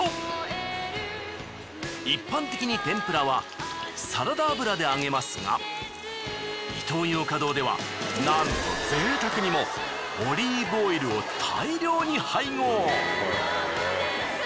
一般的に天ぷらはサラダ油で揚げますがイトーヨーカドーではなんと贅沢にもオリーブオイルを大量に配合。